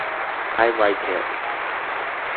I like it.